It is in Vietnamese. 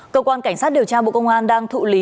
cơ quan cảnh sát điều tra bộ công an đang thụ lý